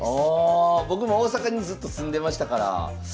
ああ僕も大阪にずっと住んでましたから。